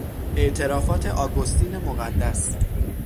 اعترافات اگوستین مقدس